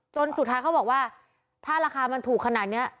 สุดท้ายเขาบอกว่าถ้าราคามันถูกขนาดนี้